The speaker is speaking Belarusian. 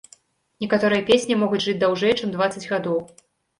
Некаторыя песні могуць жыць даўжэй, чым дваццаць гадоў.